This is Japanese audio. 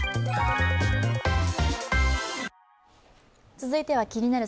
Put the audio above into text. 続いては「気になる！